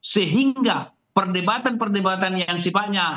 sehingga perdebatan perdebatan yang sifatnya